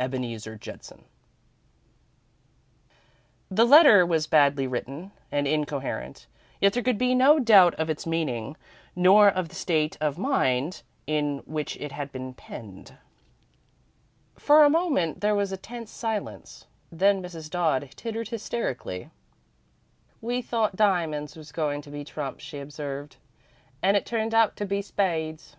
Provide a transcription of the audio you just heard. "Ebeneezer Judson." The letter was badly written and incoherent, yet there could be no doubt of its meaning, nor of the state of mind in which it had been penned. For a moment, there was a tense silence, then Mrs. Dodd tittered hysterically. "We thought diamonds was goin' to be trumps," she observed, "an' it turned out to be spades."